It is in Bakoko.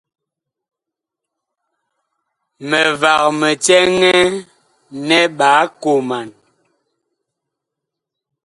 Mivag mi cɛŋɛ nɛ ɓaa koman.